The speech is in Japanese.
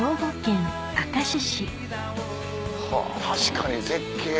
確かに絶景。